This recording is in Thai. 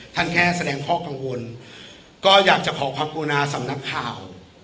แค่แสดงข้อกังวลก็อยากจะขอความกรุณาสำนักข่าว